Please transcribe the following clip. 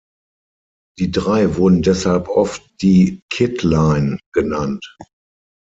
Die drei wurden deshalb oft die „Kid Line“ genannt.